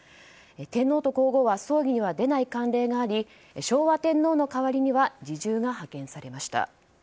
天皇と皇后は葬儀には出ない慣例があり昭和天皇の代わりには侍従が派遣されました。